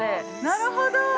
◆なるほど。